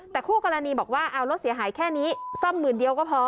แต่คู่กรณีบอกว่าเอารถเสียหายแค่นี้ซ่อมหมื่นเดียวก็พอ